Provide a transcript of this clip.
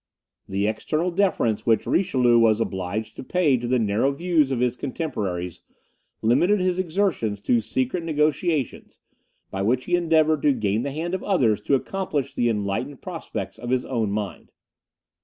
The external deference which Richelieu was obliged to pay to the narrow views of his contemporaries limited his exertions to secret negociations, by which he endeavoured to gain the hand of others to accomplish the enlightened projects of his own mind.